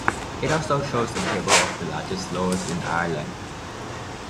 It also shows a table of the largest loughs in Ireland.